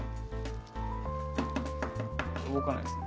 動かないですね？